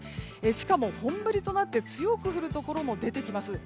しかも本降りとなって強く降るところも出てきます。